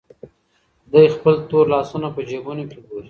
دی خپل تور لاسونه په جېبونو کې ګوري.